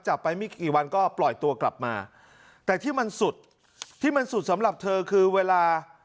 ไปไม่กี่วันก็ปล่อยตัวกลับมาแต่ที่มันสุดที่มันสุดสำหรับเธอคือเวลา